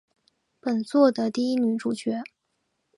本作的第一女主角。